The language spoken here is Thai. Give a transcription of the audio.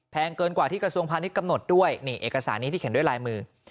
เกินกว่าที่กระทรวงพาณิชย์กำหนดด้วยนี่เอกสารนี้ที่เขียนด้วยลายมือ